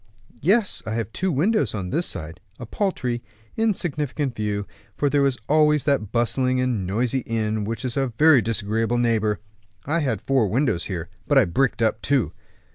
"Yes, I have two windows on this side, a paltry, insignificant view, for there is always that bustling and noisy inn, which is a very disagreeable neighbor. I had four windows here, but I bricked up two."